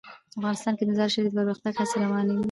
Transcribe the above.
افغانستان کې د مزارشریف د پرمختګ هڅې روانې دي.